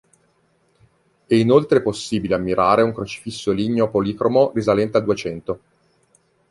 È inoltre possibile ammirare un crocifisso ligneo policromo risalente al Duecento.